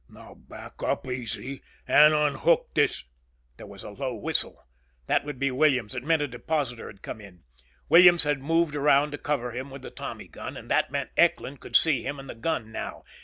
"Now back up easy and unhook this " There was a low whistle. That would be Williams. It meant a depositor had come in. Williams had moved around to cover him with the Tommy gun. And that meant Eckland could see him and the gun now.